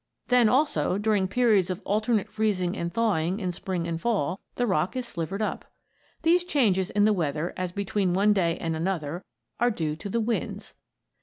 Then also during periods of alternate freezing and thawing in Spring and Fall, the rock is slivered up. These changes in the weather as between one day and another are due to the winds.